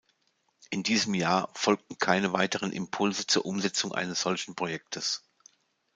In diesem Jahr folgten keine weiteren Impulse zur Umsetzung eines solchen Projektes.